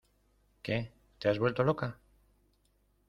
¿Que te has vuelto loca?